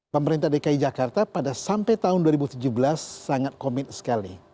pemerintah dki jakarta pada sampai tahun dua ribu tujuh belas sangat komit sekali